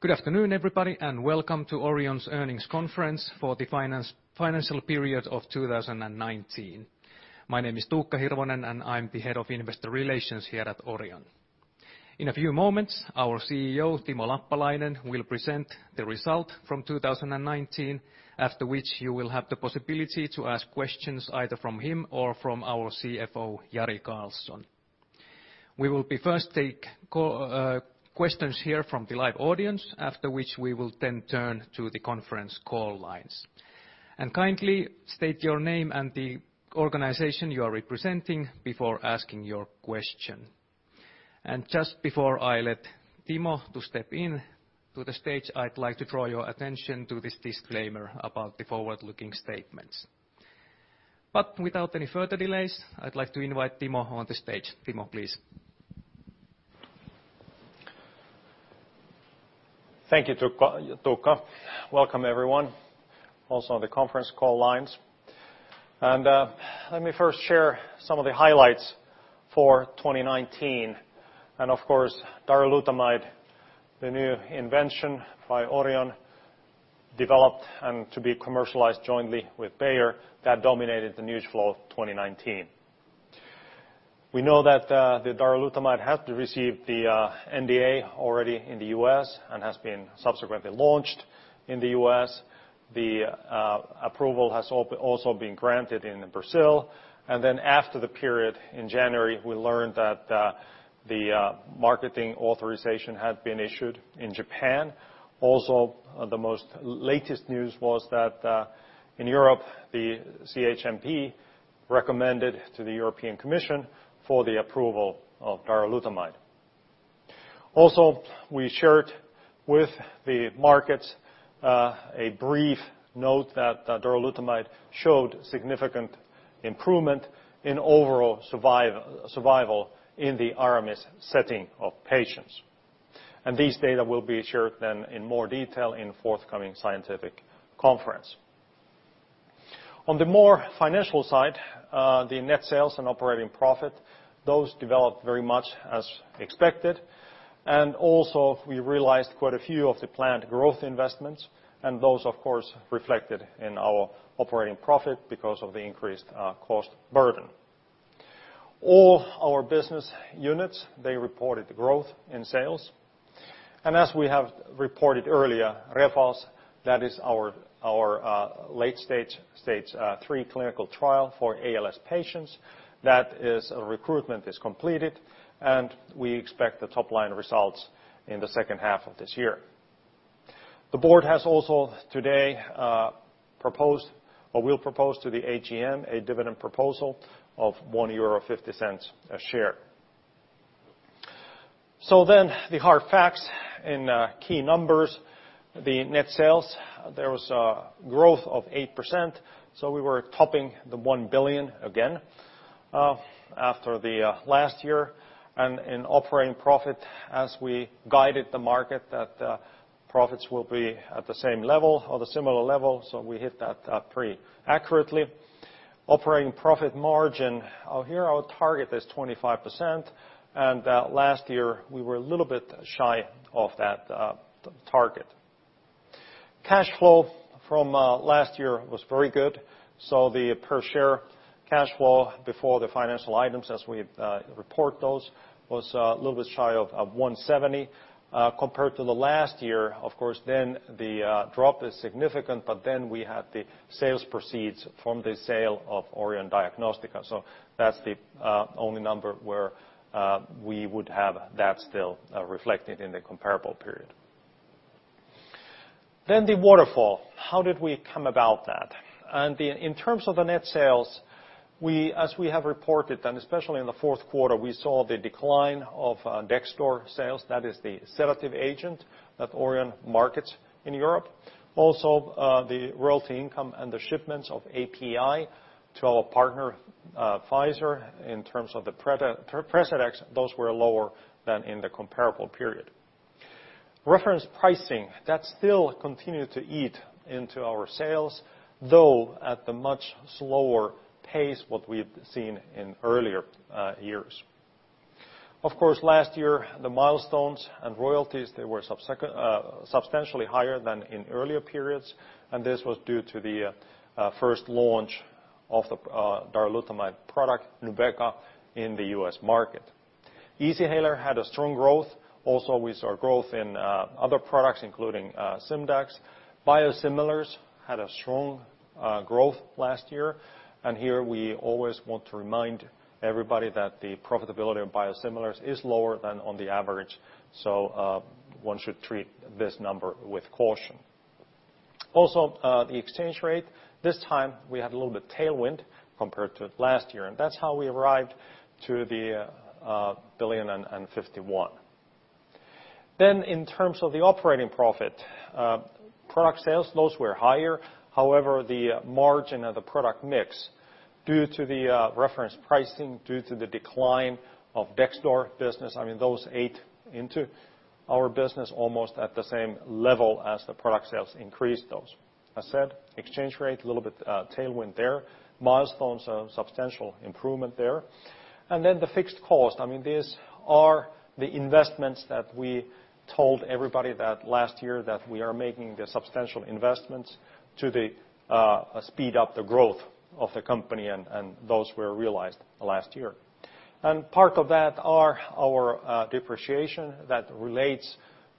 Good afternoon, everybody, and welcome to Orion's earnings conference for the financial period of 2019. My name is Tuukka Hirvonen and I'm the Head of Investor Relations here at Orion. In a few moments, our CEO, Timo Lappalainen, will present the result from 2019, after which you will have the possibility to ask questions either from him or from our CFO, Jari Karlson. We will be first take questions here from the live audience, after which we will then turn to the conference call lines. Kindly state your name and the organization you are representing before asking your question. Just before I let Timo to step in to the stage, I'd like to draw your attention to this disclaimer about the forward-looking statements. Without any further delays, I'd like to invite Timo on the stage. Timo, please. Thank you, Tuukka. Welcome, everyone, also on the conference call lines. Let me first share some of the highlights for 2019. Of course, darolutamide, the new invention by Orion, developed and to be commercialized jointly with Bayer, that dominated the news flow of 2019. We know that the darolutamide has received the NDA already in the U.S., and has been subsequently launched in the U.S. The approval has also been granted in Brazil. After the period in January, we learned that the marketing authorization had been issued in Japan. The most latest news was that in Europe, the CHMP recommended to the European Commission for the approval of darolutamide. We shared with the markets a brief note that darolutamide showed significant improvement in overall survival in the ARAMIS setting of patients. These data will be shared then in more detail in forthcoming scientific conference. On the more financial side, the net sales and operating profit, those developed very much as expected, also we realized quite a few of the planned growth investments, those of course reflected in our operating profit because of the increased cost burden. All our business units, they reported growth in sales. As we have reported earlier, REFALS, that is our late phase III clinical trial for ALS patients. Recruitment is completed, and we expect the top line results in the second half of this year. The board has also today proposed or will propose to the AGM a dividend proposal of 1.50 euro a share. The hard facts in key numbers, the net sales, there was a growth of 8%. We were topping the 1 billion again after the last year. In operating profit, as we guided the market that profits will be at the same level or the similar level, we hit that pretty accurately. Operating profit margin, here our target is 25%. Last year we were a little bit shy of that target. Cash flow from last year was very good, the per share cash flow before the financial items as we report those was a little bit shy of 170. Compared to the last year, the drop is significant. We had the sales proceeds from the sale of Orion Diagnostica, that's the only number where we would have that still reflected in the comparable period. The waterfall, how did we come about that? In terms of the net sales, as we have reported and especially in the fourth quarter, we saw the decline of Dexdor sales, that is the sedative agent that Orion markets in Europe. Also, the royalty income and the shipments of API to our partner, Pfizer, in terms of the Precedex, those were lower than in the comparable period. Reference pricing, that still continued to eat into our sales, though at a much slower pace what we've seen in earlier years. Of course, last year the milestones and royalties, they were substantially higher than in earlier periods, and this was due to the first launch of the darolutamide product, Nubeqa, in the U.S. market. Easyhaler had a strong growth. We saw growth in other products, including Simdax. Biosimilars had a strong growth last year. Here we always want to remind everybody that the profitability of biosimilars is lower than on the average, one should treat this number with caution. Also, the exchange rate, this time we had a little bit tailwind compared to last year, and that's how we arrived to the 1 billion and 51. In terms of the operating profit, product sales, those were higher. However, the margin of the product mix. Due to the reference pricing, due to the decline of Dexdor business, those ate into our business almost at the same level as the product sales increased those. I said exchange rate, a little bit tailwind there. Milestones, a substantial improvement there. The fixed cost. These are the investments that we told everybody that last year that we are making the substantial investments to speed up the growth of the company, and those were realized last year. Part of that are our depreciation that relates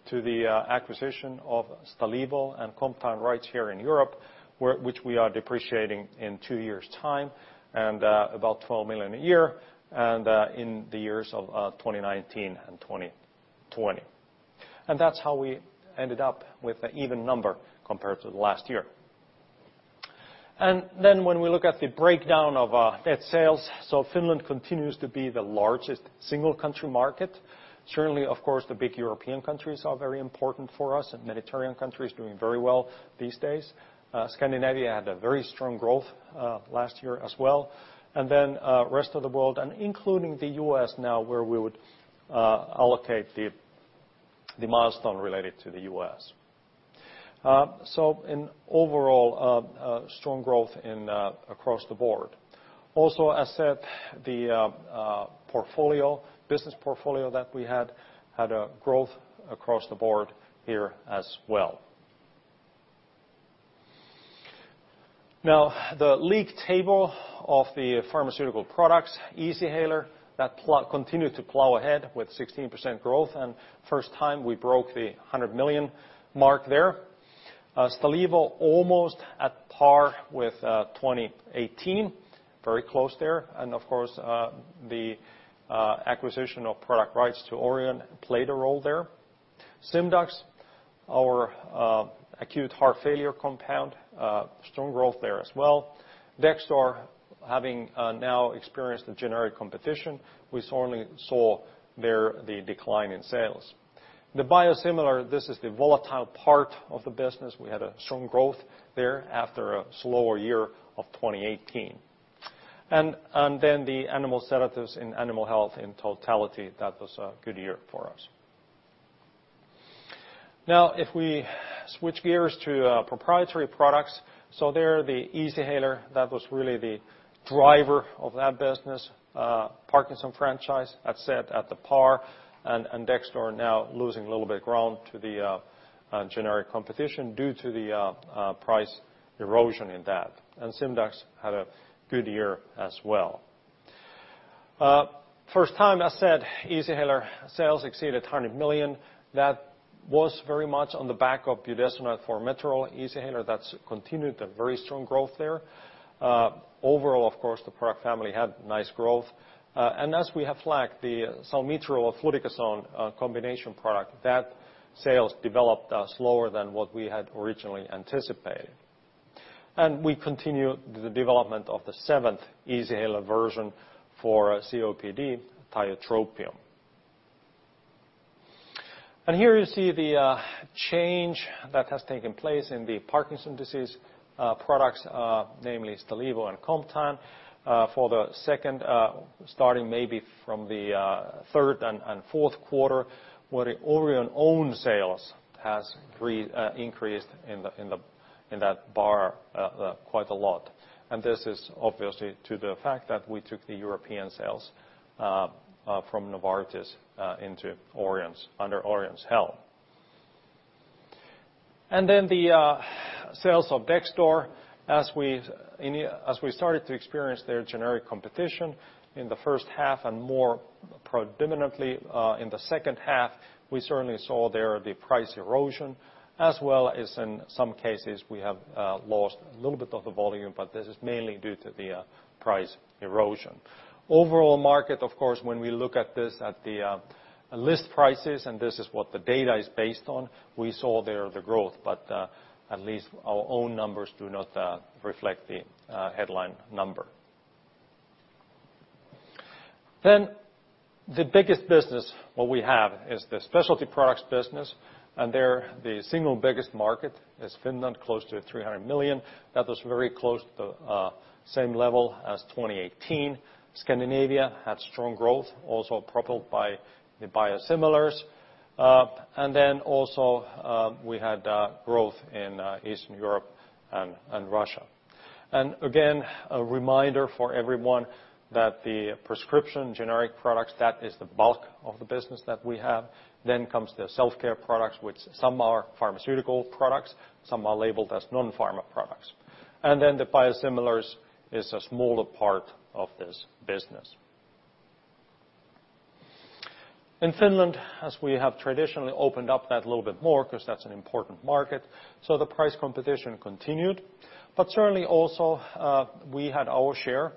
to the acquisition of Stalevo and Comtan rights here in Europe, which we are depreciating in two years' time and about 12 million a year in the years of 2019 and 2020. That's how we ended up with an even number compared to last year. When we look at the breakdown of net sales, Finland continues to be the largest single country market. Certainly, of course, the big European countries are very important for us, and Mediterranean countries doing very well these days. Scandinavia had a very strong growth last year as well. Rest of the world, and including the U.S. now, where we would allocate the milestone related to the U.S. In overall, strong growth across the board. As said, the business portfolio that we had a growth across the board here as well. The league table of the pharmaceutical products, Easyhaler, that continued to plow ahead with 16% growth, and first time we broke the 100 million mark there. Stalevo almost at par with 2018. Very close there. Of course, the acquisition of product rights to Orion played a role there. Simdax, our acute heart failure compound, strong growth there as well. Dexdor, having now experienced the generic competition, we certainly saw there the decline in sales. The biosimilar, this is the volatile part of the business. We had a strong growth there after a slower year of 2018. The animal sedatives in Animal Health in totality, that was a good year for us. If we switch gears to proprietary products, the Easyhaler, that was really the driver of that business. Parkinson franchise, I'd said, at the par, and Dexdor now losing a little bit of ground to the generic competition due to the price erosion in that. Simdax had a good year as well. First time, as said, Easyhaler sales exceeded 100 million. That was very much on the back of budesonide formoterol Easyhaler, that's continued a very strong growth there. Overall, of course, the product family had nice growth. As we have flagged, the salmeterol-fluticasone combination product, that sales developed slower than what we had originally anticipated. We continue the development of the seventh Easyhaler version for COPD, tiotropium. Here you see the change that has taken place in the Parkinson's disease products, namely Stalevo and Comtan, starting maybe from the third and fourth quarter, where the Orion own sales has increased in that bar quite a lot. This is obviously to the fact that we took the European sales from Novartis under Orion's helm. The sales of Dexdor, as we started to experience their generic competition in the first half and more predominantly in the second half, we certainly saw there the price erosion, as well as in some cases, we have lost a little bit of the volume, this is mainly due to the price erosion. Overall market, of course, when we look at this at the list prices, and this is what the data is based on, we saw there the growth, but at least our own numbers do not reflect the headline number. The biggest business, what we have is the specialty products business, and there the single biggest market is Finland, close to 300 million. That was very close to same level as 2018. Scandinavia had strong growth, also propelled by the biosimilars. Also we had growth in Eastern Europe and Russia. Again, a reminder for everyone that the prescription generic products, that is the bulk of the business that we have. Comes the self-care products, which some are pharmaceutical products, some are labeled as non-pharma products. The biosimilars is a smaller part of this business. In Finland, as we have traditionally opened up that a little bit more, because that's an important market, the price competition continued. Certainly also, we had our share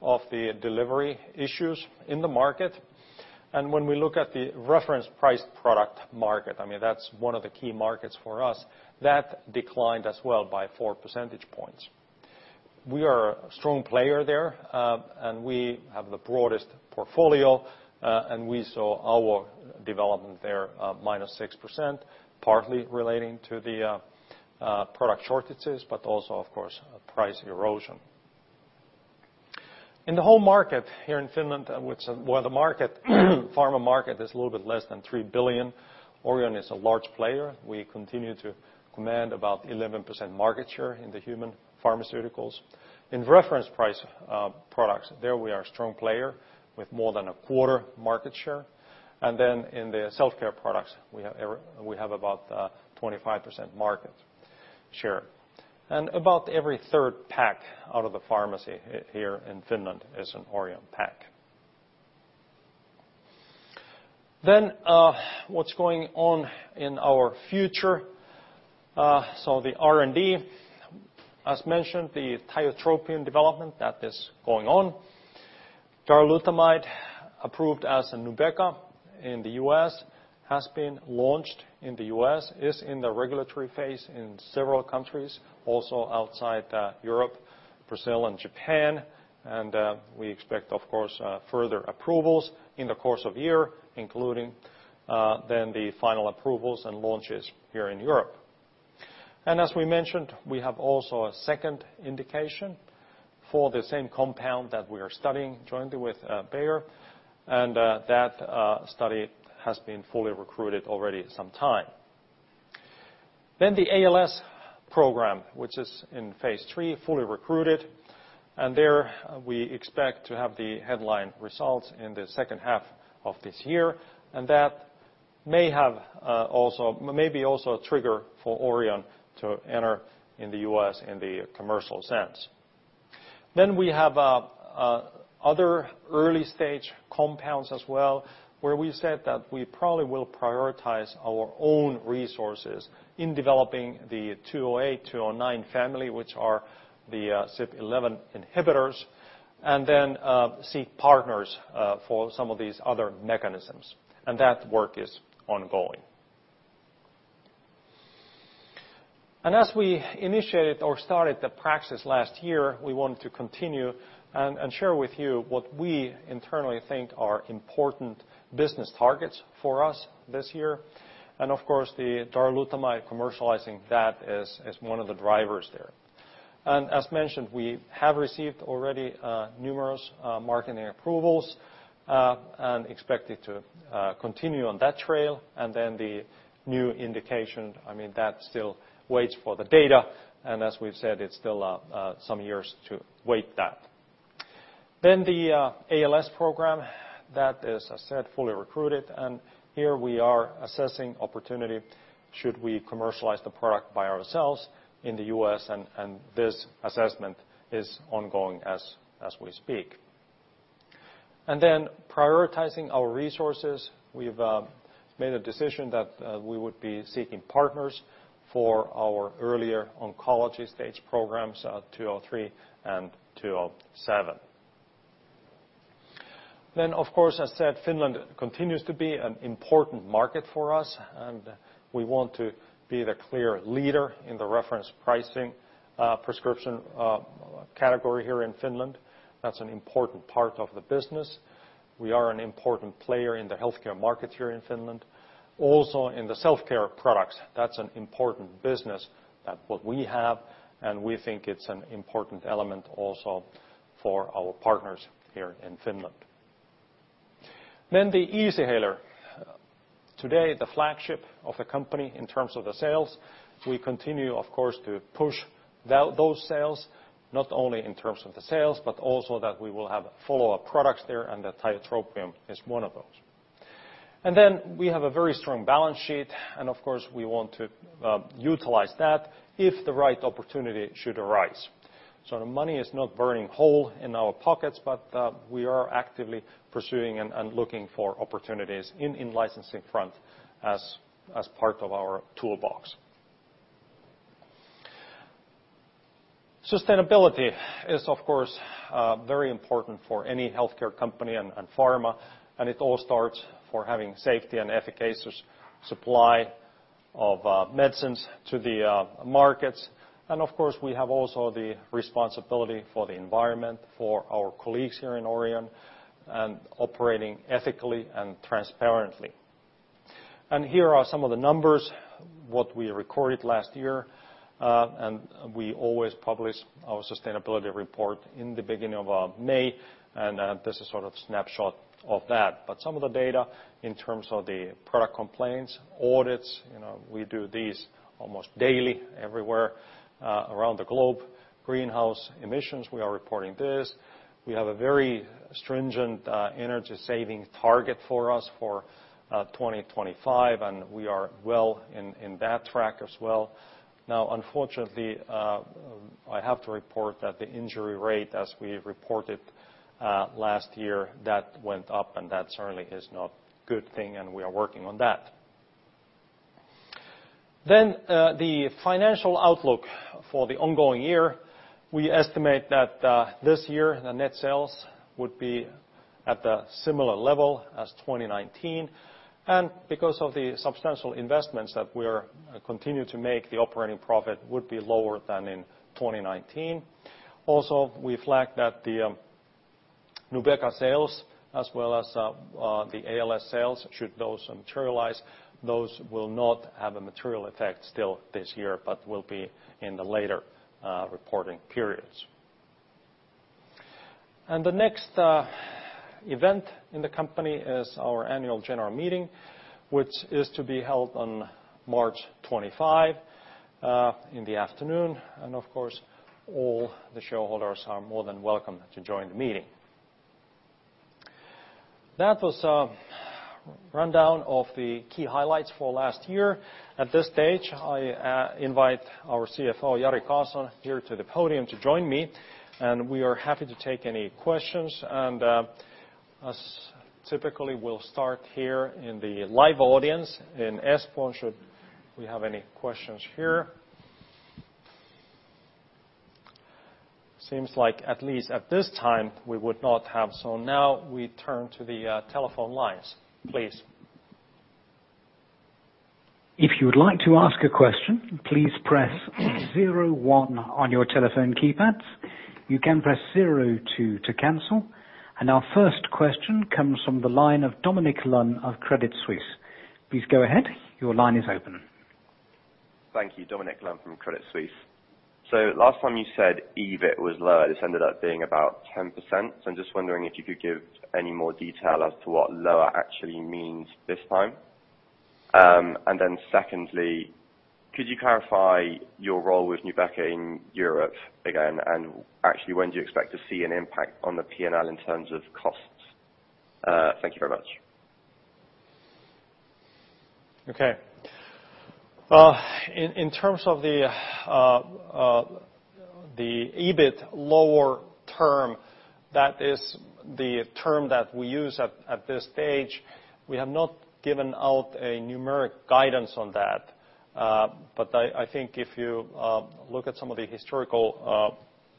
of the delivery issues in the market. When we look at the reference price product market, that's one of the key markets for us, that declined as well by 4 percentage points. We are a strong player there, and we have the broadest portfolio, and we saw our development there, minus 6%, partly relating to the product shortages, but also of course, price erosion. In the whole market here in Finland, where the pharma market is a little bit less than 3 billion, Orion is a large player. We continue to command about 11% market share in the human pharmaceuticals. In reference price products, there we are a strong player with more than a quarter market share. In the self-care products, we have about a 25% market share. About every third pack out of the pharmacy here in Finland is an Orion pack. What's going on in our future? The R&D, as mentioned, the tiotropium development, that is going on. Darolutamide, approved as Nubeqa in the U.S., has been launched in the U.S., is in the regulatory phase in several countries also outside Europe, Brazil and Japan. We expect, of course, further approvals in the course of the year, including then the final approvals and launches here in Europe. As we mentioned, we have also a second indication for the same compound that we are studying jointly with Bayer, and that study has been fully recruited already some time. The ALS program, which is in phase III, fully recruited, and there we expect to have the headline results in the second half of this year, and that may be also a trigger for Orion to enter in the U.S. in the commercial sense. We have other early-stage compounds as well, where we said that we probably will prioritize our own resources in developing the ODM-208, ODM-209 family, which are the CYP11 inhibitors, and then seek partners for some of these other mechanisms. That work is ongoing. As we initiated or started the practice last year, we want to continue and share with you what we internally think are important business targets for us this year. Of course, the darolutamide, commercializing that is one of the drivers there. As mentioned, we have received already numerous marketing approvals, and expected to continue on that trail. Then the new indication, that still waits for the data, and as we've said, it's still some years to wait that. Then the ALS program, that is, as I said, fully recruited. Here we are assessing opportunity should we commercialize the product by ourselves in the U.S., and this assessment is ongoing as we speak. Then prioritizing our resources, we've made a decision that we would be seeking partners for our earlier oncology stage programs, 203 and 207. Of course, as I said, Finland continues to be an important market for us, and we want to be the clear leader in the reference pricing prescription category here in Finland. That's an important part of the business. We are an important player in the healthcare market here in Finland. In the self-care products, that's an important business that we have, and we think it's an important element also for our partners here in Finland. The Easyhaler. Today, the flagship of the company in terms of the sales. We continue, of course, to push those sales, not only in terms of the sales, but also that we will have follow-up products there, and the tiotropium is one of those. We have a very strong balance sheet, and of course, we want to utilize that if the right opportunity should arise. The money is not burning a hole in our pockets, but we are actively pursuing and looking for opportunities in licensing front as part of our toolbox. Sustainability is, of course, very important for any healthcare company and pharma, and it all starts for having safety and efficacious supply of medicines to the markets. Of course, we have also the responsibility for the environment, for our colleagues here in Orion, and operating ethically and transparently. Here are some of the numbers, what we recorded last year. We always publish our sustainability report in the beginning of May, and this is sort of a snapshot of that. Some of the data in terms of the product complaints, audits, we do these almost daily everywhere around the globe. Greenhouse emissions, we are reporting this. We have a very stringent energy saving target for us for 2025, and we are well in that track as well. Unfortunately, I have to report that the injury rate, as we reported last year, that went up, and that certainly is not a good thing, and we are working on that. The financial outlook for the ongoing year. We estimate that this year the net sales would be at the similar level as 2019. Because of the substantial investments that we continue to make, the operating profit would be lower than in 2019. Also, we flagged that the Nubeqa sales as well as the ALS sales, should those materialize, those will not have a material effect still this year, but will be in the later reporting periods. The next event in the company is our annual general meeting, which is to be held on March 25, in the afternoon. Of course, all the shareholders are more than welcome to join the meeting. That was a rundown of the key highlights for last year. At this stage, I invite our CFO, Jari Karlson, here to the podium to join me, and we are happy to take any questions. As typically, we'll start here in the live audience in Espoo, should we have any questions here. Seems like at least at this time we would not have. Now we turn to the telephone lines. Please. If you would like to ask a question, please press zero one on your telephone keypads. You can press zero two to cancel. Our first question comes from the line of Dominic Lunn of Credit Suisse. Please go ahead. Your line is open. Thank you. Dominic Lunn from Credit Suisse. Last time you said EBIT was low, this ended up being about 10%. I'm just wondering if you could give any more detail as to what lower actually means this time. Secondly, could you clarify your role with Nubeqa in Europe again, and actually when do you expect to see an impact on the P&L in terms of costs? Thank you very much. Okay. In terms of the EBIT lower term, that is the term that we use at this stage. We have not given out a numeric guidance on that. I think if you look at some of the historical,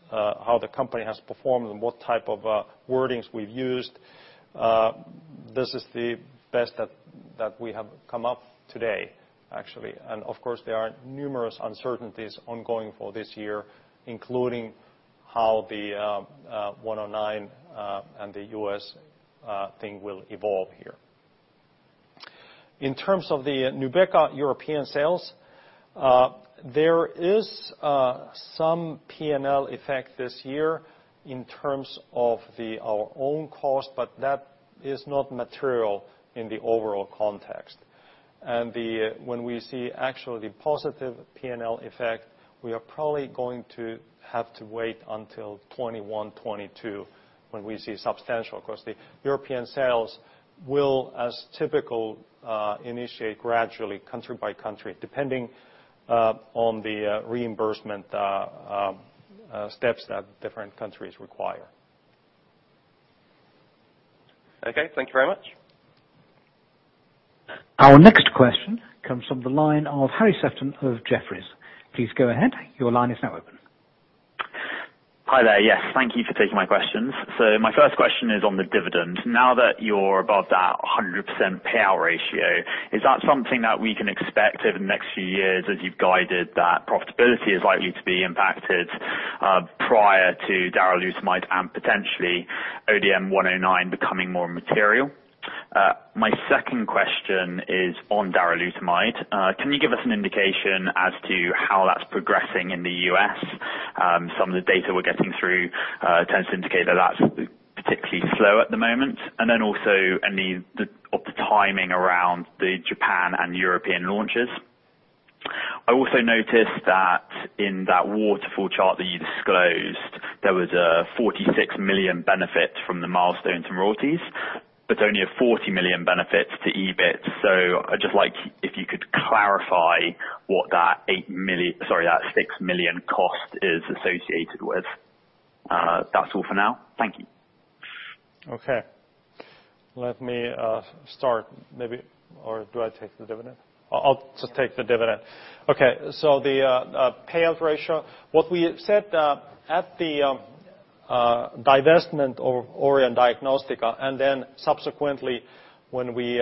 how the company has performed and what type of wordings we've used, this is the best that we have come up today, actually. Of course, there are numerous uncertainties ongoing for this year, including how the ODM-109 and the U.S. thing will evolve here. In terms of the Nubeqa European sales, there is some P&L effect this year in terms of our own cost, but that is not material in the overall context. When we see actually the positive P&L effect, we are probably going to have to wait until 2021, 2022 when we see substantial. Of course, the European sales will, as typical, initiate gradually country by country, depending on the reimbursement steps that different countries require. Okay, thank you very much. Our next question comes from the line of Harry Sefton of Jefferies. Please go ahead. Your line is now open. Hi there. Yes, thank you for taking my questions. My first question is on the dividend. Now that you're above that 100% payout ratio, is that something that we can expect over the next few years as you've guided that profitability is likely to be impacted, prior to darolutamide and potentially ODM-109 becoming more material? My second question is on darolutamide. Can you give us an indication as to how that's progressing in the U.S.? Some of the data we're getting through tends to indicate that's particularly slow at the moment. Also any of the timing around the Japan and European launches. I also noticed that in that waterfall chart that you disclosed, there was a 46 million benefit from the milestones and royalties, but only a 40 million benefit to EBIT. I'd just like if you could clarify what that 8 million, sorry, that 6 million cost is associated with. That's all for now. Thank you. Okay. Let me start maybe Or do I take the dividend? I'll just take the dividend. Okay, the payout ratio, what we said at the divestment of Orion Diagnostica, and then subsequently when we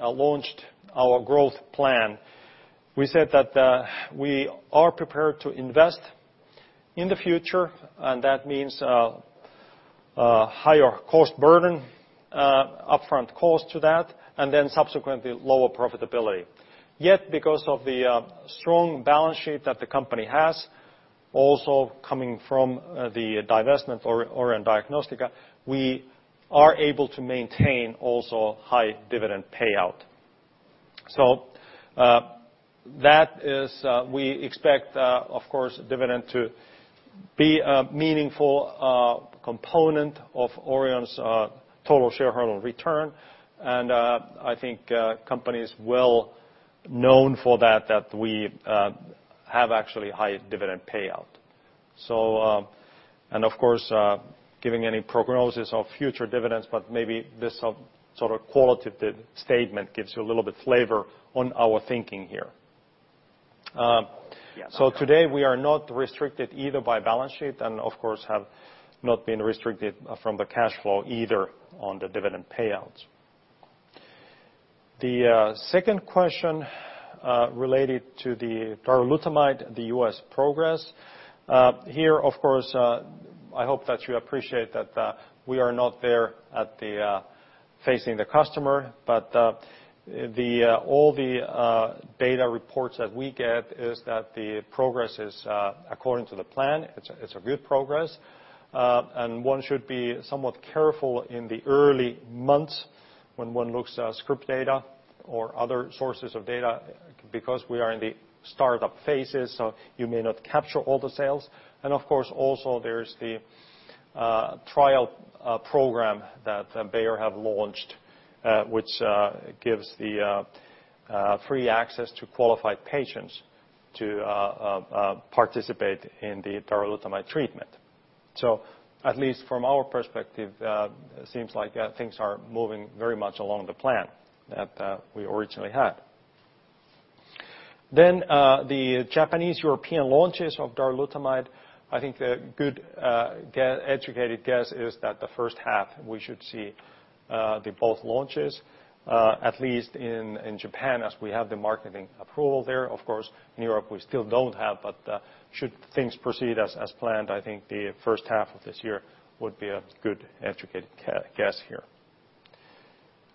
launched our growth plan, we said that we are prepared to invest in the future and that means a higher cost burden, upfront cost to that, and then subsequently lower profitability. Yet, because of the strong balance sheet that the company has, also coming from the divestment of Orion Diagnostica, we are able to maintain also high dividend payout. That is we expect, of course, dividend to be a meaningful component of Orion's total shareholder return and I think company is well known for that we have actually high dividend payout. Of course, giving any prognosis of future dividends, but maybe this sort of qualitative statement gives you a little bit flavor on our thinking here. Yeah. Today we are not restricted either by balance sheet and of course have not been restricted from the cash flow either on the dividend payouts. The second question related to the darolutamide, the U.S. progress. Here, of course, I hope that you appreciate that we are not there facing the customer, but all the data reports that we get is that the progress is according to the plan, it's a good progress. One should be somewhat careful in the early months when one looks at script data or other sources of data, because we are in the startup phases, so you may not capture all the sales. Of course, also there's the trial program that Bayer have launched which gives the free access to qualified patients to participate in the darolutamide treatment. At least from our perspective, it seems like things are moving very much along the plan that we originally had. The Japanese European launches of darolutamide, I think the good educated guess is that the first half, we should see both launches at least in Japan as we have the marketing approval there. Of course, in Europe, we still don't have, but should things proceed as planned, I think the first half of this year would be a good educated guess here.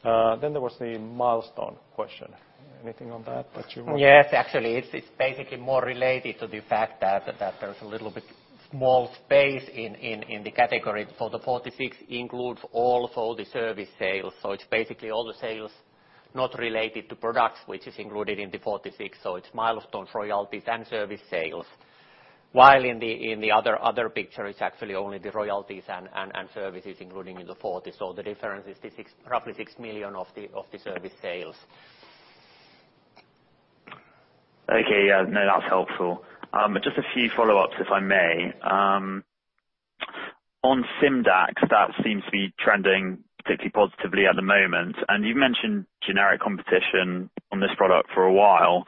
There was the milestone question. Anything on that you want. Yes, actually, it's basically more related to the fact that there's a little bit small space in the category for the 46 includes all of the service sales. It's basically all the sales not related to products which is included in the 46. It's milestones, royalties, and service sales. While in the other picture, it's actually only the royalties and services including in the 40. The difference is roughly 6 million of the service sales. Okay. Yeah, no, that's helpful. Just a few follow-ups, if I may. On Simdax, that seems to be trending particularly positively at the moment, and you've mentioned generic competition on this product for a while.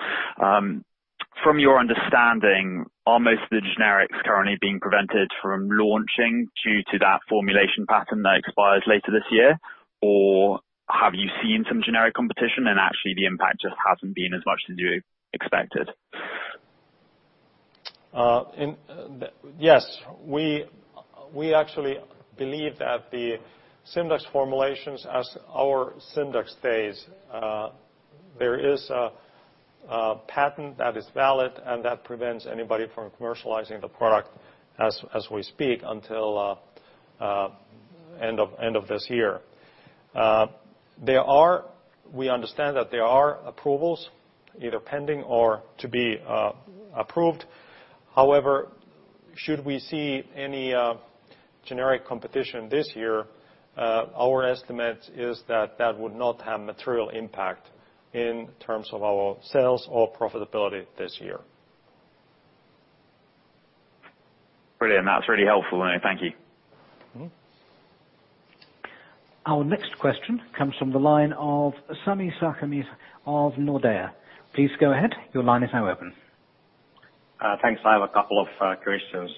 From your understanding, are most of the generics currently being prevented from launching due to that formulation pattern that expires later this year? Have you seen some generic competition and actually the impact just hasn't been as much as you expected? Yes. We actually believe that the Simdax formulations as our Simdax stays, there is a patent that is valid and that prevents anybody from commercializing the product as we speak until end of this year. We understand that there are approvals either pending or to be approved. However, should we see any generic competition this year, our estimate is that that would not have material impact in terms of our sales or profitability this year. Brilliant. That's really helpful. Thank you. Our next question comes from the line of Sami Sarkamies of Nordea. Please go ahead. Your line is now open. Thanks. I have a couple of questions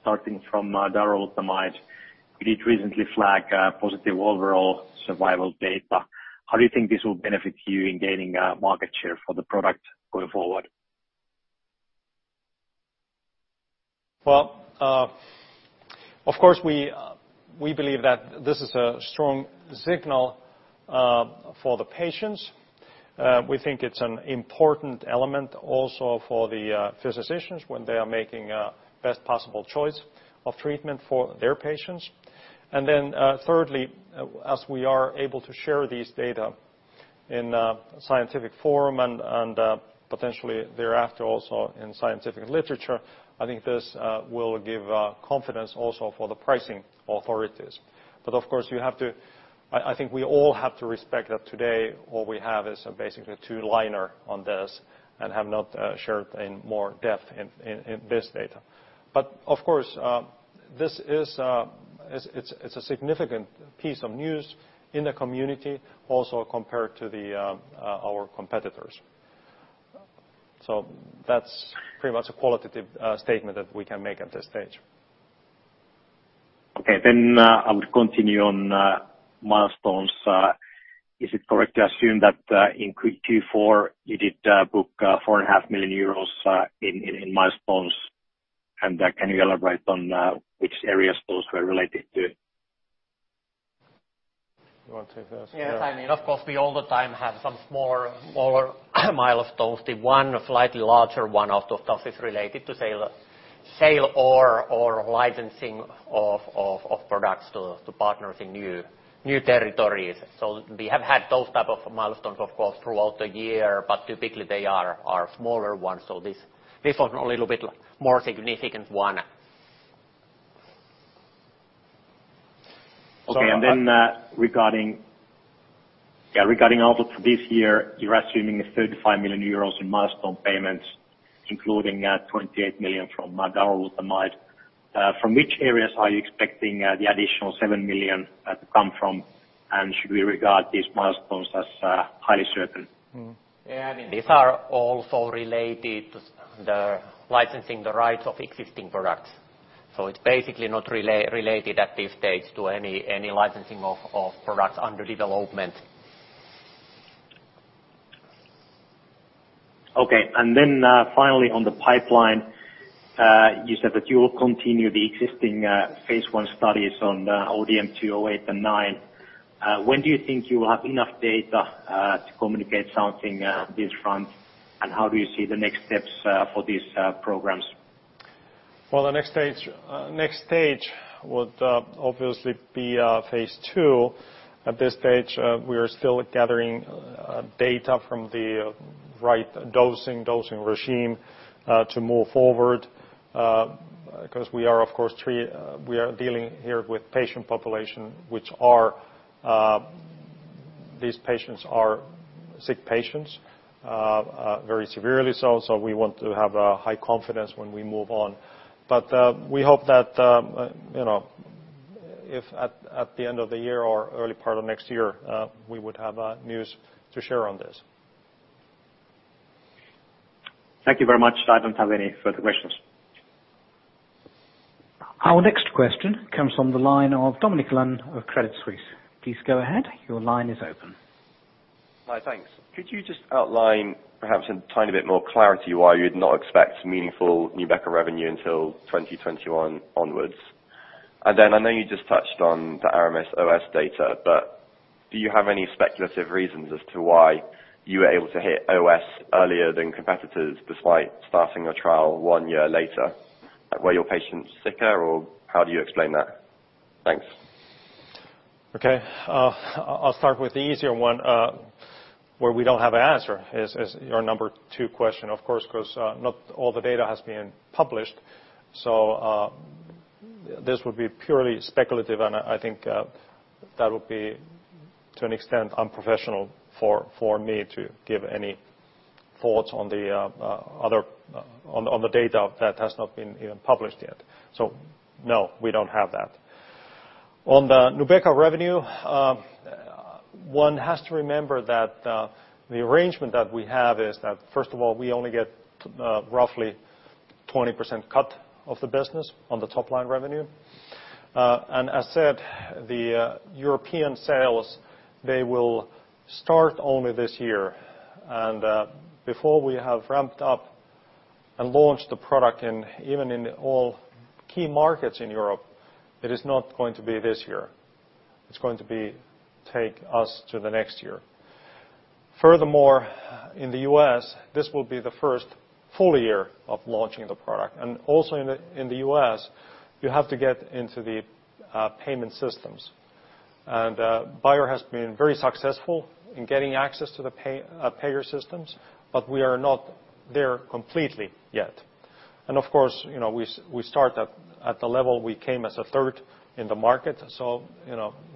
starting from darolutamide. You did recently flag positive overall survival data. How do you think this will benefit you in gaining market share for the product going forward? Well, of course, we believe that this is a strong signal for the patients. We think it's an important element also for the physicians when they are making best possible choice of treatment for their patients. Then thirdly, as we are able to share these data in scientific forum and potentially thereafter also in scientific literature, I think this will give confidence also for the pricing authorities. Of course, I think we all have to respect that today what we have is basically a two-liner on this and have not shared in more depth in this data. Of course, it's a significant piece of news in the community also compared to our competitors. That's pretty much a qualitative statement that we can make at this stage. Okay, I would continue on milestones. Is it correct to assume that in Q4 you did book 4.5 million euros in milestones, and can you elaborate on which areas those were related to? You want to take this? I mean, of course, we all the time have some smaller milestones. The one slightly larger one of those stuff is related to sale or licensing of products to partners in new territories. We have had those type of milestones, of course, throughout the year, but typically they are smaller ones, so this was a little bit more significant one. Regarding output for this year, you're assuming a 35 million euros in milestone payments, including 28 million from darolutamide. From which areas are you expecting the additional 7 million to come from, and should we regard these milestones as highly certain? Yeah, I mean, these are also related to the licensing the rights of existing products. It's basically not related at this stage to any licensing of products under development. Okay. Finally on the pipeline, you said that you will continue the existing phase I studies on ODM-208 and ODM-209. When do you think you will have enough data to communicate something this front? How do you see the next steps for these programs? The next stage would obviously be phase II. At this stage, we are still gathering data from the right dosing regime to move forward. We are dealing here with patient population, these patients are sick patients, very severely so. We want to have a high confidence when we move on. We hope that if at the end of the year or early part of next year, we would have news to share on this. Thank you very much. I don't have any further questions. Our next question comes from the line of Dominic Lunn of Credit Suisse. Please go ahead, your line is open. Hi, thanks. Could you just outline perhaps in tiny bit more clarity why you'd not expect meaningful Nubeqa revenue until 2021 onwards? I know you just touched on the ARAMIS OS data, but do you have any speculative reasons as to why you were able to hit OS earlier than competitors despite starting a trial one year later? Were your patients sicker, or how do you explain that? Thanks. Okay. I'll start with the easier one, where we don't have an answer is your number two question, of course, because not all the data has been published. This would be purely speculative, and I think that would be, to an extent, unprofessional for me to give any thoughts on the data that has not been even published yet. No, we don't have that. On the Nubeqa revenue, one has to remember that the arrangement that we have is that, first of all, we only get roughly 20% cut of the business on the top line revenue. As said, the European sales, they will start only this year. Before we have ramped up and launched the product, even in all key markets in Europe, it is not going to be this year. It's going to take us to the next year. Furthermore, in the U.S., this will be the first full year of launching the product. Also in the U.S., you have to get into the payment systems. Bayer has been very successful in getting access to the payer systems, but we are not there completely yet. Of course, we start at the level we came as a third in the market, so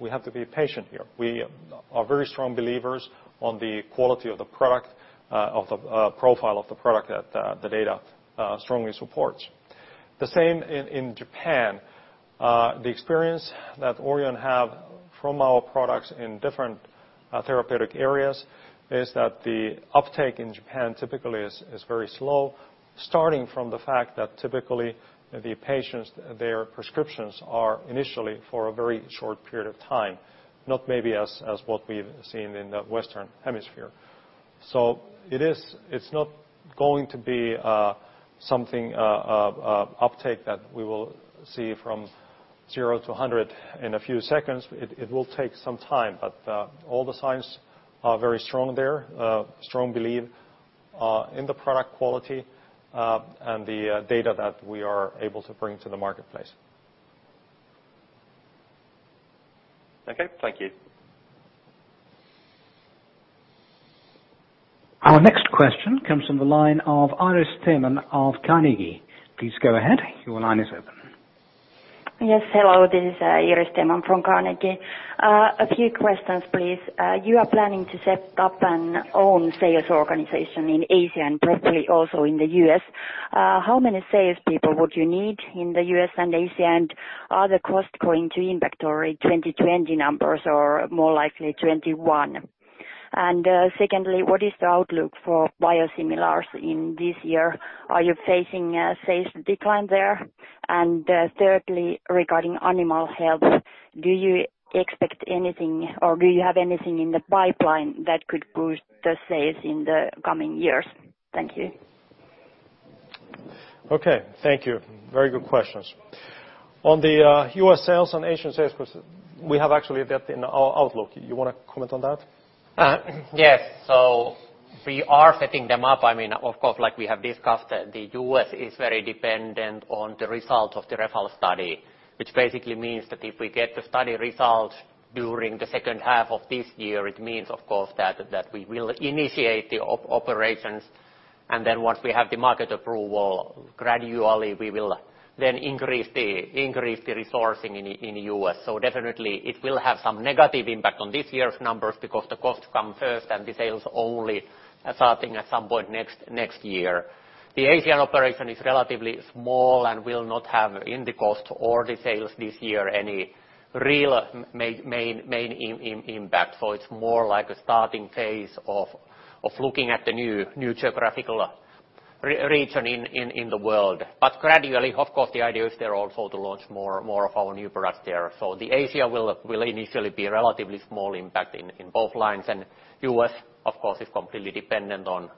we have to be patient here. We are very strong believers on the quality of the product, of the profile of the product that the data strongly supports. The same in Japan. The experience that Orion have from our products in different therapeutic areas is that the uptake in Japan typically is very slow, starting from the fact that typically the patients, their prescriptions are initially for a very short period of time, not maybe as what we've seen in the Western hemisphere. It's not going to be something uptake that we will see from zero to 100 in a few seconds. It will take some time, but all the signs are very strong there. Strong belief in the product quality and the data that we are able to bring to the marketplace. Okay. Thank you. Our next question comes from the line of Iiris Theman of Carnegie. Please go ahead, your line is open. Yes. Hello, this is Iiris Theman from Carnegie. A few questions, please. You are planning to set up an own sales organization in Asia and possibly also in the U.S. How many salespeople would you need in the U.S. and Asia? Are the costs going to impact your 2020 numbers or more likely 2021? Secondly, what is the outlook for biosimilars in this year? Are you facing a sales decline there? Thirdly, regarding animal health, do you expect anything, or do you have anything in the pipeline that could boost the sales in the coming years? Thank you. Okay. Thank you. Very good questions. On the U.S. sales and Asian sales, we have actually that in our outlook. You want to comment on that? We are setting them up. Of course, like we have discussed, the U.S. is very dependent on the result of the REFALS study, which basically means that if we get the study result during the second half of this year, it means, of course, that we will initiate the operations. Once we have the market approval, gradually we will then increase the resourcing in U.S. Definitely it will have some negative impact on this year's numbers because the costs come first and the sales only starting at some point next year. The Asian operation is relatively small and will not have in the cost or the sales this year any real main impact. It's more like a starting phase of looking at the new geographical region in the world. Gradually, of course, the idea is there also to launch more of our new products there. The Asia will initially be a relatively small impact in both lines, and U.S., of course, is completely dependent on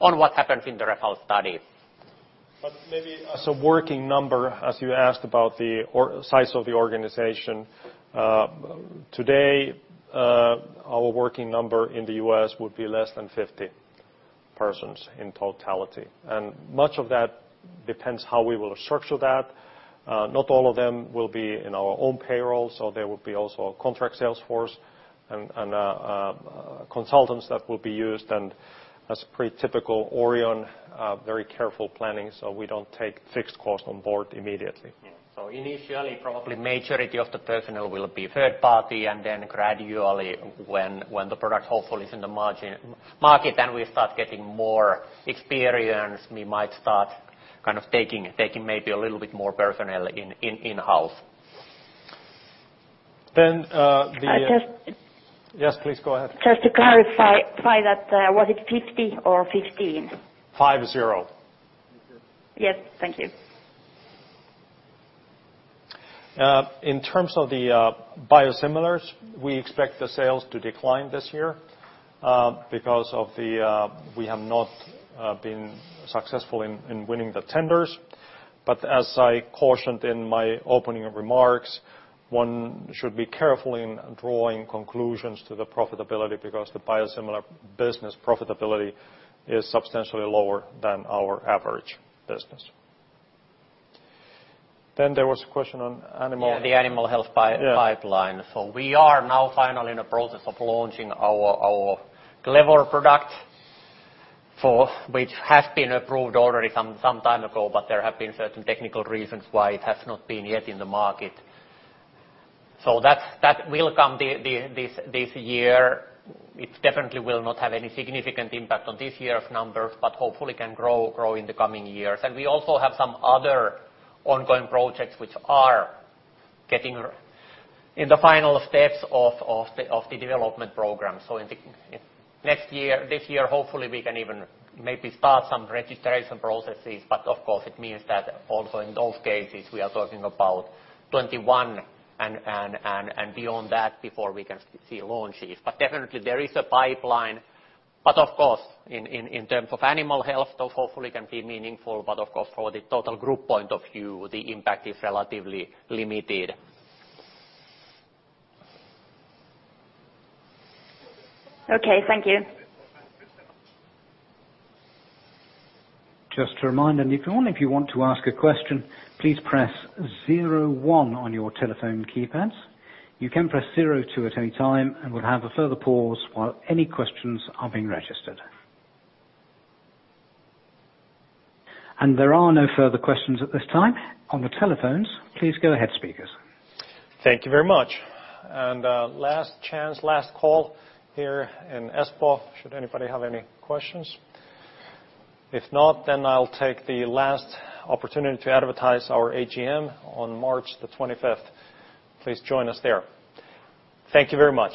what happens in the result studies. Maybe as a working number, as you asked about the size of the organization. Today, our working number in the U.S. would be less than 50 persons in totality. Much of that depends how we will structure that. Not all of them will be in our own payroll, so there will be also a contract sales force and consultants that will be used, and that's pretty typical Orion, very careful planning, so we don't take fixed cost on board immediately. Yeah. Initially, probably majority of the personnel will be third party, and then gradually when the product hopefully is in the market, then we start getting more experience. We might start kind of taking maybe a little bit more personnel in-house. Then the- I just- Yes, please go ahead. Just to clarify that, was it 50 or 15? 50. Yes. Thank you. In terms of the biosimilars, we expect the sales to decline this year because we have not been successful in winning the tenders, but as I cautioned in my opening remarks, one should be careful in drawing conclusions to the profitability because the biosimilar business profitability is substantially lower than our average business. There was a question on animal- Yeah, the animal health. Yeah Pipeline. We are now finally in the process of launching our Clevor product, which has been approved already some time ago, but there have been certain technical reasons why it has not been yet in the market. That will come this year. It definitely will not have any significant impact on this year's numbers but hopefully can grow in the coming years. We also have some other ongoing projects which are getting in the final steps of the development program. In this year, hopefully, we can even maybe start some registration processes. Of course, it means that also in those cases, we are talking about 2021 and beyond that before we can see launches. Definitely there is a pipeline. Of course, in terms of animal health, those hopefully can be meaningful, but of course, from the total group point of view, the impact is relatively limited. Okay. Thank you. Just a reminder, if you want to ask a question, please press zero one on your telephone keypads. You can press zero two at any time, and we'll have a further pause while any questions are being registered. There are no further questions at this time on the telephones. Please go ahead, speakers. Thank you very much. Last chance, last call here in Espoo, should anybody have any questions? If not, I'll take the last opportunity to advertise our AGM on March the 25th. Please join us there. Thank you very much.